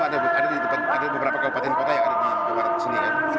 ada di beberapa kabupaten kota yang ada di bawah sini